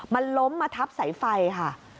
มันล้มมาทับสายไฟค่ะ